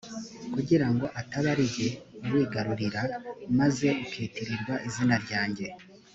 kugira ngo ataba ari jye uwigarurira maze ukitirirwa izina ryanjye